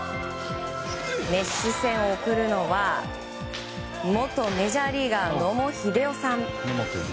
熱視線を送るのは元メジャーリーガー野茂英雄さん。